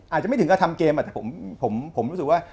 อาจจะไม่ถึงก็ทำเกมแต่ผมรู้สึกว่า